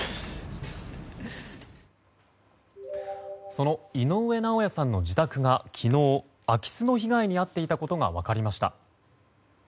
その井上尚弥さんの自宅が昨日、空き巣の被害に遭っていたことが分かりました。